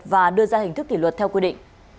và đưa ra hình thức kỷ luật theo quy định